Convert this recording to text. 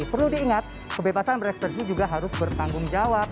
perlu diingat kebebasan berekspresi juga harus bertanggung jawab